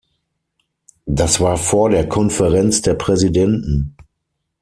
Das war vor der Konferenz der Präsidenten.